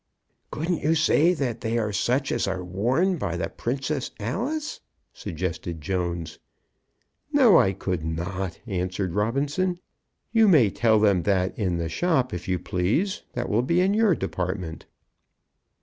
"Couldn't you say that they are such as are worn by the Princess Alice?" suggested Jones. "No, I could not," answered Robinson. "You may tell them that in the shop if you please. That will lie in your department."